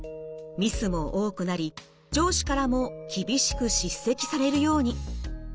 ミスも多くなり上司からも厳しく叱責されるように。